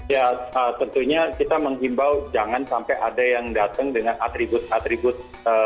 ya tentunya kita menghimbau jangan sampai ada yang datang dengan atribut atribut